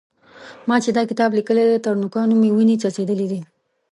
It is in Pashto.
ما چې دا کتاب لیکلی دی؛ تر نوکانو مې وينې څڅېدلې دي.